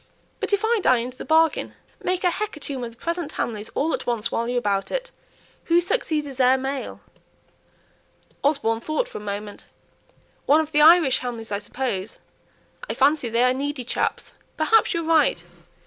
"But if I die into the bargain? Make a hecatomb of the present Hamleys all at once, while you are about it. Who succeeds as heir male?" Osborne thought for a moment. "One of the Irish Hamleys, I suppose. I fancy they are needy chaps. Perhaps you're right.